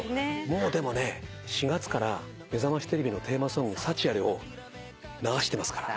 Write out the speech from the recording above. もうでもね４月から『めざましテレビ』のテーマソング『サチアレ』を流してますから。